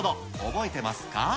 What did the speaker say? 覚えてますか？